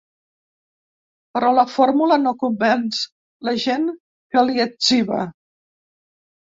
Però la fórmula no convenç l’agent que li etziba.